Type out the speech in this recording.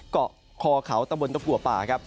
เกาะคอเขาตะบนตะกัวป่าครับ